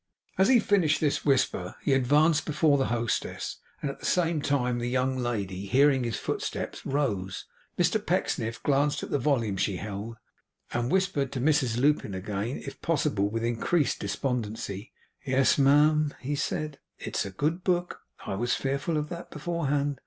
As he finished this whisper, he advanced before the hostess; and at the same time the young lady, hearing footsteps, rose. Mr Pecksniff glanced at the volume she held, and whispered Mrs Lupin again; if possible, with increased despondency. 'Yes, ma'am,' he said, 'it is a good book. I was fearful of that beforehand.